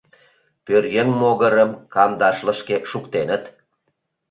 Пӧръеҥ могырым кандашлышке шуктеныт.